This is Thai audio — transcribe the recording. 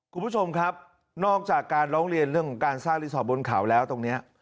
คุณผู้ชมครับนอกจากการร้องเรียนเรื่องของการสร้างรีสอร์ทบนเขาแล้วตรงนี้